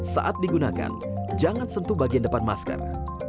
saat digunakan jangan sentuh bagian depan masker